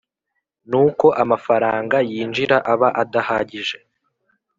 N uko amafaranga yinjira aba adahagije